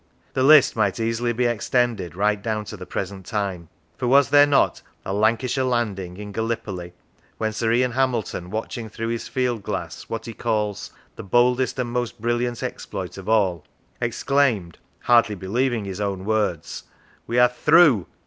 The list might easily be extended right down to the present time; for was there not a " Lancashire landing " in Gallipoli, when Sir Ian Hamilton, watching through his field glass what he calls " the boldest and most brilliant exploit of all," exclaimed, hardly believing his own words :" We are through